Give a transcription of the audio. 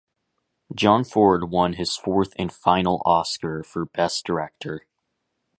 John Ford won his fourth and final Oscar for best director.